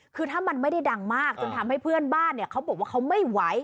คือถ้ามันไม่ได้ดังมากจนทำให้เพื่อนบ้านเนี่ยเขาบอกว่าเขาไม่ไหว